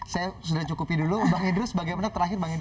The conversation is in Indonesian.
saya sudah cukupi dulu bang idrus bagaimana terakhir